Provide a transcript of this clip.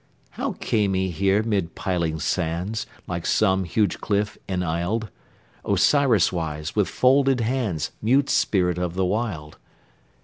How came he here mid piling sands, Like some huge cliff enisled, Osiris wise, with folded hands, Mute spirit of the Wild?